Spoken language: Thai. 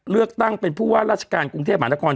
เลือกตั้งเป็นผู้ว่าราชการกรุงเทพมหานคร